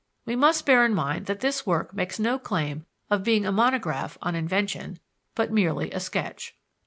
We must bear in mind that this work makes no claim of being a monograph on invention, but merely a sketch.